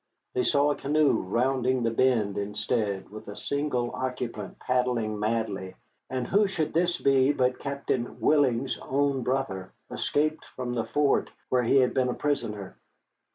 They saw a canoe rounding the bend instead, with a single occupant paddling madly. And who should this be but Captain Willing's own brother, escaped from the fort, where he had been a prisoner.